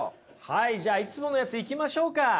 はいじゃいつものやついきましょうか。